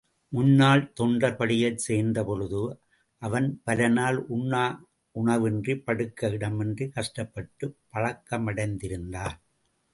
முன்னால் தொண்டர் படையைச் சேர்ந்தபொழுது அவன் பலநாள் உண்ண உணவின்றிப் படுக்க இடமின்றிக் கஷ்டப்பட்டுப் பழக்கமடைந்திருந்தான்.